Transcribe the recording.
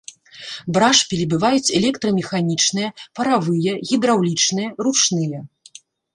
Брашпілі бываюць электрамеханічныя, паравыя, гідраўлічныя, ручныя.